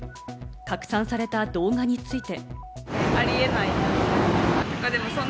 拡散された動画について。